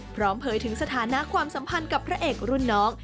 เผยถึงสถานะความสัมพันธ์กับพระเอกรุ่นน้อง